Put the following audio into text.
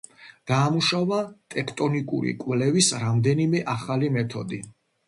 დაამუშავა ტექტონიკური კვლევის რამდენიმე ახალი მეთოდი.